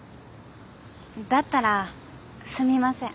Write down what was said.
だったらすみません。